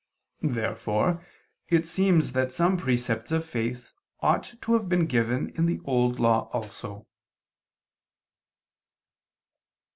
Therefore it seems that some precepts of faith ought to have been given in the Old Law also.